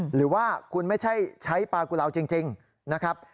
หรือว่าคุณไม่ใช่ใช้ปลากุลาวจริงนะครับ